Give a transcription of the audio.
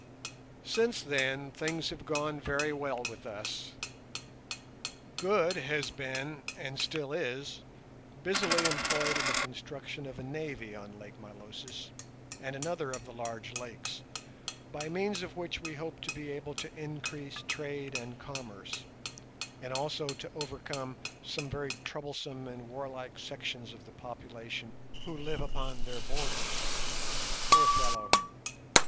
Since then things have gone very well with us. Good has been, and still is, busily employed in the construction of a navy on Lake Milosis and another of the large lakes, by means of which we hope to be able to increase trade and commerce, and also to overcome some very troublesome and warlike sections of the population who live upon their borders. Poor fellow!